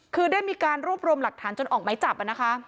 คือได้มีการรวบรวมหลักฐานจนออกไม้จับนะคะ